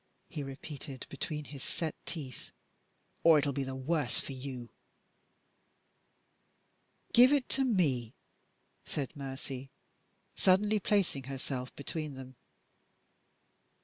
he repeated between his set teeth, "or it will be the worse for you!" "Give it to me!" said Mercy, suddenly placing herself between them.